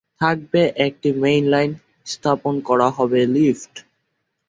থাকবে একটি main line, স্থাপন করা হবে লিফট।